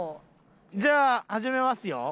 じゃあ始めますよ。